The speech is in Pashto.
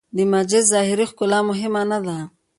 د مسجد ظاهري ښکلا مهمه نه ده.